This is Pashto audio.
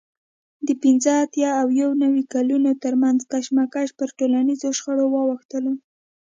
د پینځه اتیا او یو نوي کالونو ترمنځ کشمکش پر ټولنیزو شخړو واوښتلو